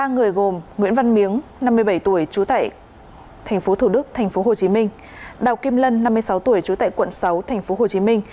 ba người gồm nguyễn văn miếng năm mươi bảy tuổi chú tải tp thủ đức tp hcm đào kim lân năm mươi sáu tuổi chú tải quận sáu tp hcm